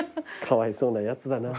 かわいそうなやつだな。